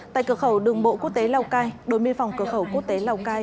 tại cửa khẩu đường bộ quốc tế lào cai đồn biên phòng cửa khẩu quốc tế lào cai